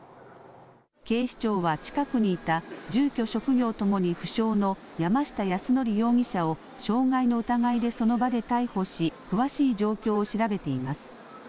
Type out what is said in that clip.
警視庁は近くにいた住居・職業ともに不詳の山下泰範容疑者を傷害の疑いでその場で逮捕し詳しい状況を調べています。